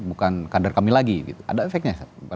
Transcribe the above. bukan kader kami lagi ada efeknya